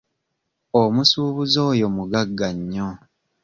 Omusuubuzi oyo mugagga nnyo.